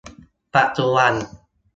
ปัจจุบัน